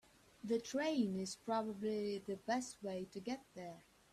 The train is probably the best way to get there.